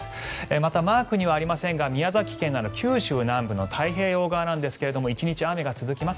また、マークにはありませんが宮崎県など九州南部の太平洋側なんですが１日雨が続きます。